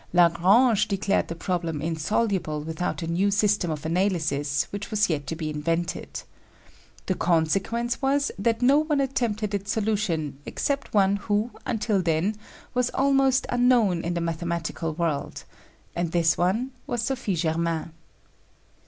Lagrange declared the problem insoluble without a new system of analysis, which was yet to be invented. The consequence was that no one attempted its solution except one who, until then, was almost unknown in the mathematical world; and this one was Sophie Germain.